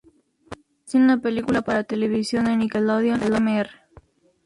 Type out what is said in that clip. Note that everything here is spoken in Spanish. Apareció en la película para televisión de Nickelodeon "Mr.